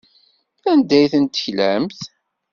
Anda ay ten-teklamt?